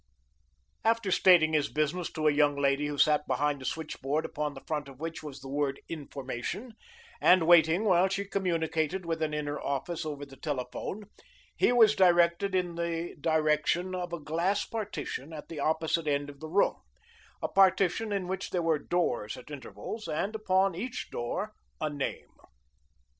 After stating his business to a young lady who sat behind a switchboard, upon the front of which was the word "Information," and waiting while she communicated with an inner office over the telephone, he was directed in the direction of a glass partition at the opposite end of the room a partition in which there were doors at intervals, and upon each door a name.